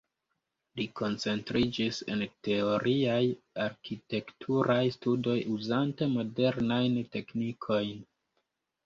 Li koncentriĝis en teoriaj arkitekturaj studoj uzante modernajn teknikojn.